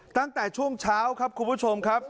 ตั้งแต่ช่วงเช้าครับคุณผู้ชมครับ